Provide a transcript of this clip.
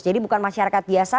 jadi bukan masyarakat biasa